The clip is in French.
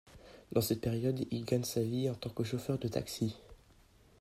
Dans cette période il gagne sa vie en tant que chauffeur de taxi.